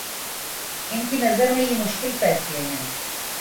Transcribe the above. ان کی نظر میں یہ مشکل فیصلے ہیں؟